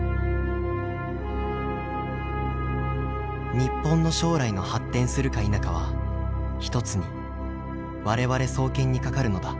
「日本の将来の発展するか否かは一つに我々双肩にかかるのだ。